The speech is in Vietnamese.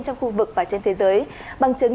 trong khu vực và trên thế giới bằng chứng